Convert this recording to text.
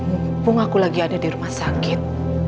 mumpung aku lagi ada di rumah sakit